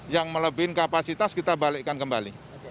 yang melebihi kapasitas kita balikkan kembali